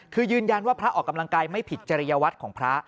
คือยืนยันว่าพระออกกำลังกายไม่ผิดจริยวัตรของพระ